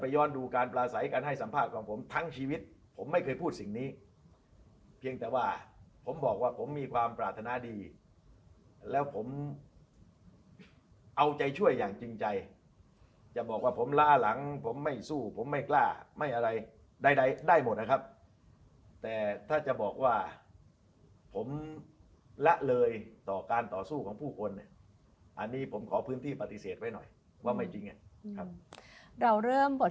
ย้อนดูการปลาใสการให้สัมภาษณ์ของผมทั้งชีวิตผมไม่เคยพูดสิ่งนี้เพียงแต่ว่าผมบอกว่าผมมีความปรารถนาดีแล้วผมเอาใจช่วยอย่างจริงใจจะบอกว่าผมล้าหลังผมไม่สู้ผมไม่กล้าไม่อะไรใดได้หมดนะครับแต่ถ้าจะบอกว่าผมละเลยต่อการต่อสู้ของผู้คนเนี่ยอันนี้ผมขอพื้นที่ปฏิเสธไว้หน่อยว่าไม่จริงไงครับ